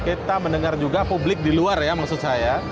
kita mendengar juga publik di luar ya maksud saya